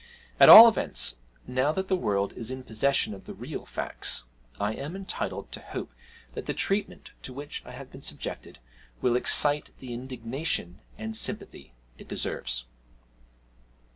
At all events, now that the world is in possession of the real facts, I am entitled to hope that the treatment to which I have been subjected will excite the indignation and sympathy it deserves.